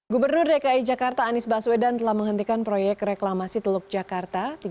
gubernur dki jakarta anies baswedan telah menghentikan proyek reklamasi teluk jakarta